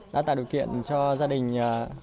đã tạo điều kiện cho gia đình